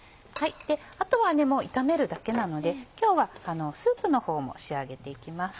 あとはもう炒めるだけなので今日はスープのほうも仕上げて行きます。